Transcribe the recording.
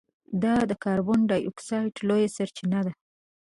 دا د کاربن ډای اکسایډ لویه سرچینه ده.